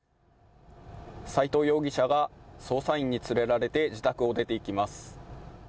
斉藤容疑者が捜査員に連れられて自宅を出ていきます。